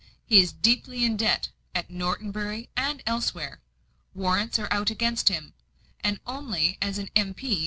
He is deeply in debt, at Norton Bury and elsewhere. Warrants are out against him; and only as an M.P.